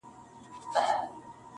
له آمو تر اباسینه وطن بولي-